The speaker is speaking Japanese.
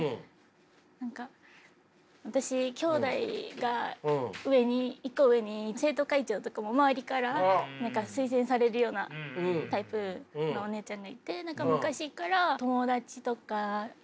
何か私姉妹が上に１個上に生徒会長とかも周りから推薦されるようなタイプのお姉ちゃんがいて。